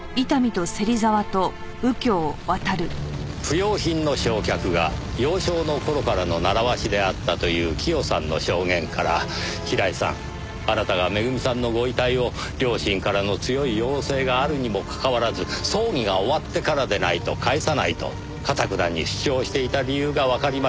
不要品の焼却が幼少の頃からの習わしであったという洌さんの証言から平井さんあなたがめぐみさんのご遺体を両親からの強い要請があるにもかかわらず葬儀が終わってからでないと返さないと頑なに主張していた理由がわかりました。